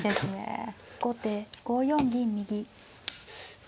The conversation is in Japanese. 後手５四銀右。